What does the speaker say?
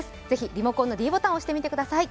ぜひリモコンのｄボタンを押してみてください。